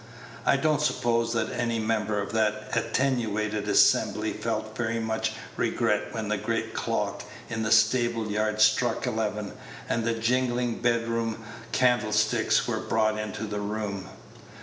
I don't suppose that any member of that "attenuated" assembly felt very much regret when the great clock in the stable yard struck eleven, and the jingling bedroom candlesticks were brought into the room.